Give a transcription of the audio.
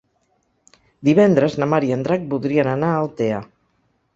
Divendres na Mar i en Drac voldrien anar a Altea.